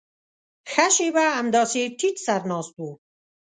ښه شېبه همداسې ټيټ سر ناست و.